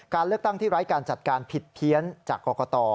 การเลือกตั้งที่ไร้การจัดการผิดเพี้ยนจากกรกต